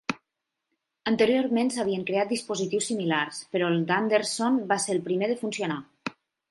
Anteriorment s'havien creat dispositius similars, però el d'Anderson va ser el primer de funcionar.